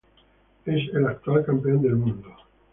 Es el actual campeón del mundo.